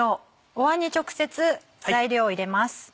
おわんに直接材料を入れます。